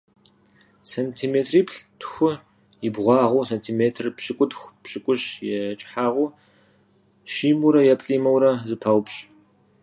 Сантиметриплӏ-тху и бгъуагъыу, сантиметр пщыкӏутӏ-пщыкӏущ и кӀыхьагъыу щимэурэ е плӀимэурэ зэпаупщӀ.